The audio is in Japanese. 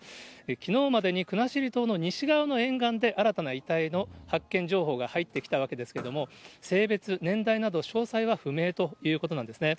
きのうまでに国後島の西側の沿岸で新たな遺体の発見情報が入ってきたわけですけれども、性別、年代など詳細は不明ということなんですね。